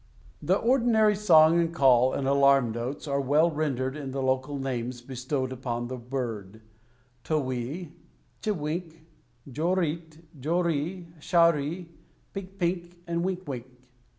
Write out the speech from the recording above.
The ordinary song and call and alarm notes are well rendered in the local names bestowed upon the bird: Towhee, che wink, joreet, joree, charee, pink pink, and wink wink.